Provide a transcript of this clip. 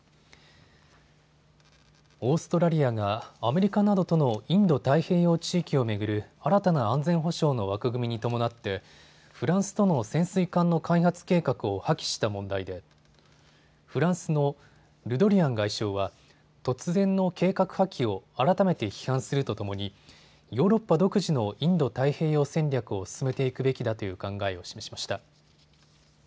オーストラリアがアメリカなどとのインド太平洋地域を巡る新たな安全保障の枠組みに伴ってフランスとの潜水艦の開発計画を破棄した問題でフランスのルドリアン外相は突然の計画破棄を改めて批判するとともにヨーロッパ独自のインド太平洋戦略を進めていくべきだという考えを示しました。